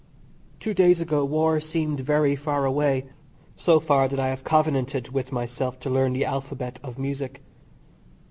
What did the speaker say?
Two days ago war seemed very far away so far, that I have covenanted with myself to learn the alphabet of music.